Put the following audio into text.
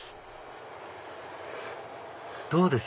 どうです？